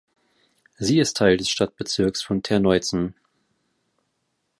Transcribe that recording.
Sie ist Teil des Stadtbezirks von Terneuzen.